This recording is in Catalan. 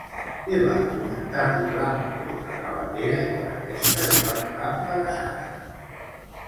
Què va comentar-li Lampros a Galatea quan aquesta es va quedar embarassada?